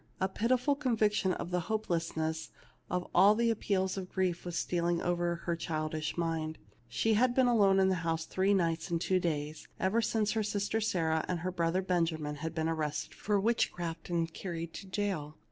A pitiful conviction of the hopelessness of all the appeals of grief was stealing over her childish mind. She had been alone in the house 238 THE LITTLE MAID AT THE DOOR three nights and two days, ever since her sister Sarah and her brother Benjamin had been ar rested for witchcraft and carried to jail.